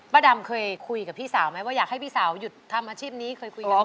ดำเคยคุยกับพี่สาวไหมว่าอยากให้พี่สาวหยุดทำอาชีพนี้เคยคุยกัน